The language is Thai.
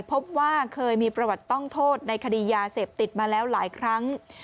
พบว่าเคยมีประวัติต้องโทษในคดียาเสพติดมาแล้วหลายครั้ง